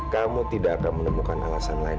kamu tidak akan menemukan alasan lain